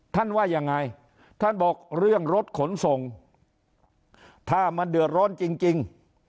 ว่ายังไงท่านบอกเรื่องรถขนส่งถ้ามันเดือดร้อนจริง